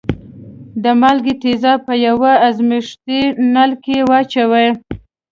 د مالګې تیزاب په یوه ازمیښتي نل کې واچوئ.